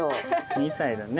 ２歳だね。